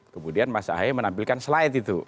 kemudian mas ahy menampilkan slide itu